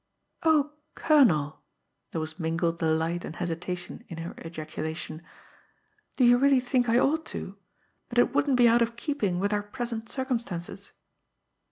"Oh, colonel!" There was mingled delight and hesitation in her ejaculation. "Do you really think I ought to that it wouldn't be out of keeping with our present circumstances?"